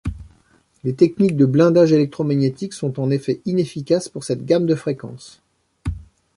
Les techniques de blindage électromagnétique sont en effet inefficaces pour cette gamme de fréquence.